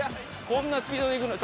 こんなスピードで行くの？